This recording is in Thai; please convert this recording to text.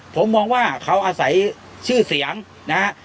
ผมมองว่าเขาอาศัยชื่อเสียงนะฮะ